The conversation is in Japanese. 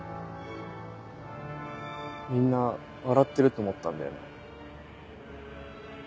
みんな笑ってると思ったんだよね。